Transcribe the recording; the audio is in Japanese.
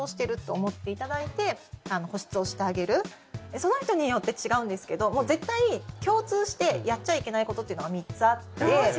その人によって違うんですけど絶対共通してやっちゃいけないことというのが３つあって。